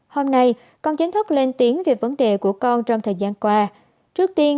hôm nay con chính thức lên tiếng về vấn đề của con trong thời gian qua trước tiên